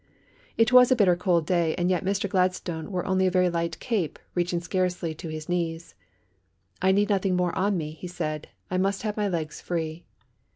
It was a bitter cold day and yet Mr. Gladstone wore only a very light cape, reaching scarcely to his knees. "I need nothing more on me," he said; "I must have my legs free."